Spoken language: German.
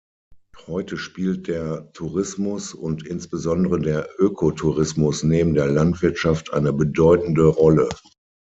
Heute spielt der Tourismus und insbesondere der Ökotourismus neben der Landwirtschaft eine bedeutende Rolle.